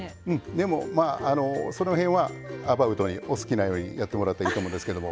でもまあその辺はアバウトにお好きなようにやってもらっていいと思うんですけども。